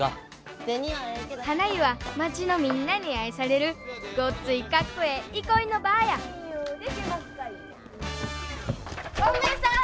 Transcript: はな湯は町のみんなに愛されるごっついかっこええ憩いの場やゴンベエさん！